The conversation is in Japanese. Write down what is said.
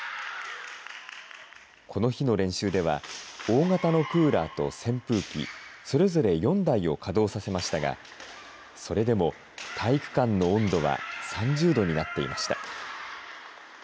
この日の練習では、大型のクーラーと扇風機、それぞれ４台を稼働させましたが、それでも体育館の温度は３０度になっていました。